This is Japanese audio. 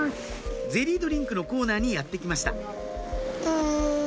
ゼリードリンクのコーナーにやって来ましたうん。